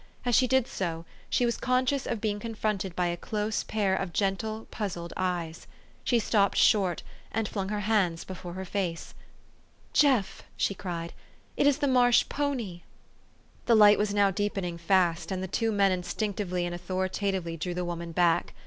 As she did so, she was conscious of being confronted by a close pair of gentle, puzzled eyes. She stopped short, and flung her hands before her face. " Jeff! " she cried, " it is the marsh pony !" The light was now deepening fast, and the two men instinctively and authoritatively drew the woman back.